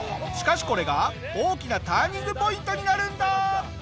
しかしこれが大きなターニングポイントになるんだ！